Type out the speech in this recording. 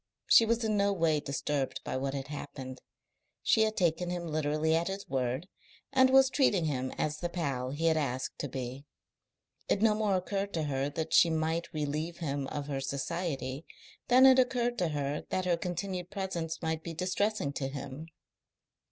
She was in no way disturbed by what had happened. She had taken him literally at his word, and was treating him as the pal he had asked to be. It no more occurred to her that she might relieve him of her society than it occurred to her that her continued presence might be distressing to him.